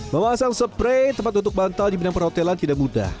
memasang spray tempat untuk bantal di bidang perhotelan tidak mudah